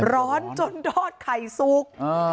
ร้อนจนทอดไข่สุก